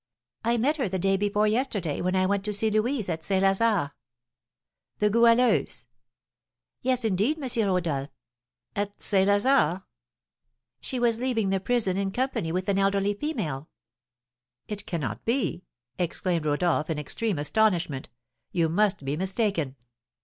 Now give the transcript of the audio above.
"I met her the day before yesterday, when I went to see Louise at St. Lazare." "The Goualeuse?" "Yes, indeed, M. Rodolph." "At St. Lazare?" "She was leaving the prison in company with an elderly female." "It cannot be," exclaimed Rodolph, in extreme astonishment; "you must be mistaken."